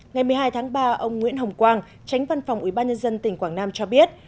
ngày một mươi hai tháng ba ông nguyễn hồng quang tránh văn phòng ủy ban nhân dân tỉnh quảng nam cho biết